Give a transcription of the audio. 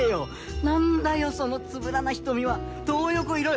何だよそのつぶらな瞳はトー横いろ